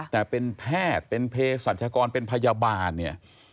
แต่เป็นแพทย์เป็นเพศรัชกรเป็นพยาบาลเนี่ย